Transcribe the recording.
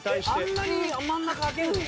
あんなに真ん中空けるの？